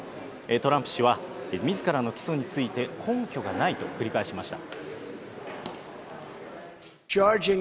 トランプ氏は自らの起訴について、根拠がないと繰り返しました。